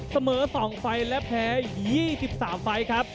เสมอ๒ไฟล์และแพ้๒๓ไฟล์ครับ